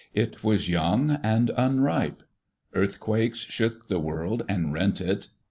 It was young and unripe. Earthquakes shook the world and rent it.